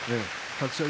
立ち合い